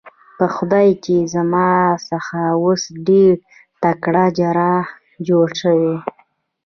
په خدای چې زما څخه اوس ډېر تکړه جراح جوړ شوی.